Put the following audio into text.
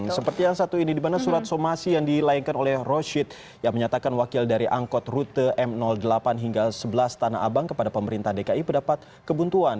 seperti yang satu ini di mana surat somasi yang dilayangkan oleh roshid yang menyatakan wakil dari angkot rute m delapan hingga sebelas tanah abang kepada pemerintah dki mendapat kebuntuan